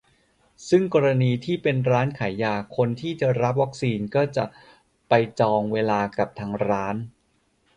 ซึ่งกรณีที่เป็นร้านขายยา คนที่จะรับวัคซีนก็จะไปจองเวลากับทางร้าน